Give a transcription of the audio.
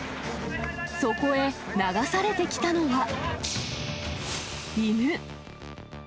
そこへ流されてきたのは、犬。